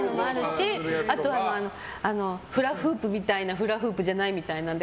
あとはフラフープみたいなフラフープじゃないみたいなので